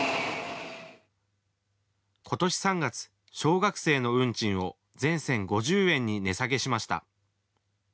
今年３月、小学生の運賃を全線５０円に値下げしました。